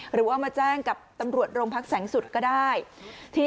หรือว่ามาแจ้งกับตำรวจโรงพักแสงสุดก็ได้